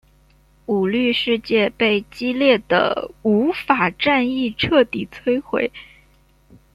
舞律世界被激烈的舞法战役彻底摧毁。